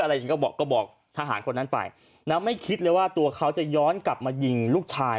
อะไรอย่างนี้ก็บอกก็บอกทหารคนนั้นไปแล้วไม่คิดเลยว่าตัวเขาจะย้อนกลับมายิงลูกชาย